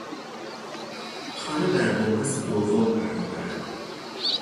خانه در بنبست دوم قرار دارد.